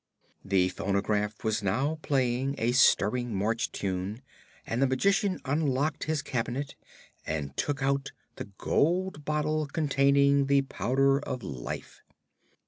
The phonograph was now playing a stirring march tune and the Magician unlocked his cabinet and took out the gold bottle containing the Powder of Life.